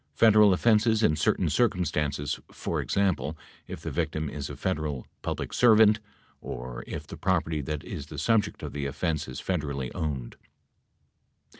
Federal offenses in certain circumstances — for example, if the victim is a Fed eral public servant or if the property that is the subject of the offense is federally owned.